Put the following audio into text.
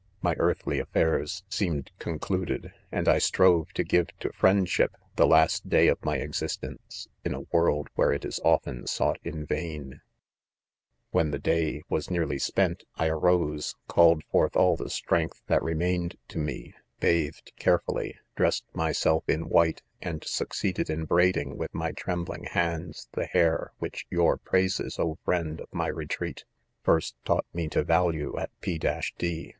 My earthly affairs seemed concluded^ and I strove to give to friendship the last day of my existence, in a world where it is often sought in vain* *When the day" was' nearly spent, I arose, ©ailed forth all the strength that remained to me, bathed carefully, dressed myself in white 5 and succeeded in braiding with my trembling hands,, the hair,, which your praises, oh, friend of my retreat, first taught me to value at P — d